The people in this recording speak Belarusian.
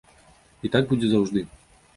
І так будзе заўжды.